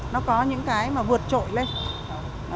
nó có những cái mà vượt trội lên